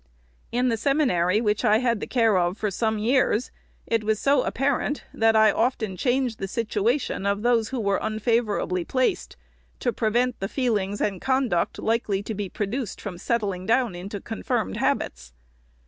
In the semi nary which I had the care of for some years, it was so apparent that I often changed the situation of those who were unfavorably placed, to prevent the feelings and conduct likely to be produced from settling down into con firmed habits.